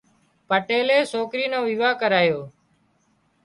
پٽيلي سوڪرِي نو ويوا ڪريو